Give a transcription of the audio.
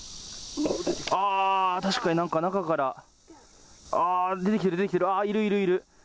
あー、確かに、なんか中から、あー、出てきてる、出てきてる、あー、いる、いる、いる。